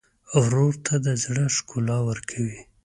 ورور ته د زړه ښکلا ورکوې.